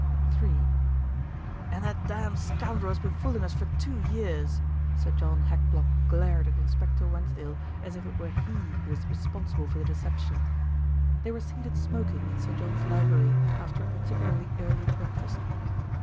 III "And that damned scoundrel has been fooling us for two years." Sir John Hackblock glared at Inspector Wensdale as if it were he who was responsible for the deception. They were seated smoking in Sir John's library after a particularly early breakfast.